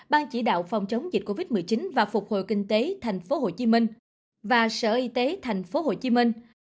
ban chỉ đạo phòng chống dịch covid một mươi chín và phục hồi kinh tế tp hcm và sở y tế tp hcm